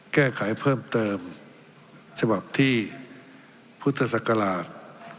แก้ไขเพิ่มเติมฉบับที่พุทธศักราช๒๕๖